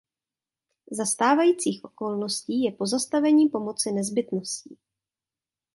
Za stávajících okolností je pozastavení pomoci nezbytností.